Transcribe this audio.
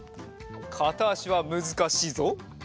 かたあしはむずかしいぞ。